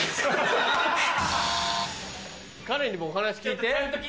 彼にもお話聞いて。